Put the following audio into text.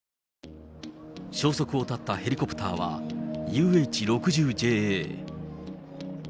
消息を絶ったヘリコプターは、ＵＨ６０ＪＡ。